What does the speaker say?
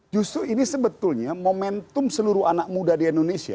justru ini sebetulnya momentum seluruh anak muda di indonesia